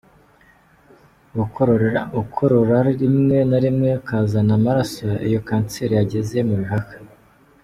Gukorora rimwe na rimwe ukazana amaraso iyo kanseri yageze mu bihaha.